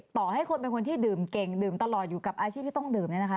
เฉยต่อให้คนเป็นคนที่ดื่มเก่งดื่มอยู่กับอาชีพที่ต้องดื่ม